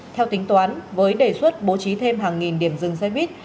theo tính toán với đề xuất bố trí thêm hàng nghìn điểm dừng xe buýt